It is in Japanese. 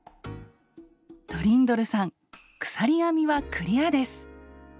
トリンドルさん鎖編みはクリアです！